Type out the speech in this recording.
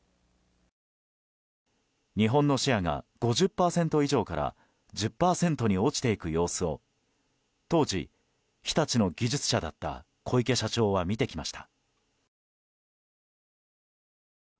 日本のシェアが、５０％以上から１０％に落ちていく様子を当時、日立の技術者だった小池社長は見てきました。